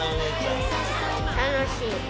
楽しい。